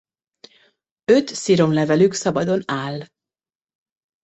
Öt sziromlevelük szabadon áll.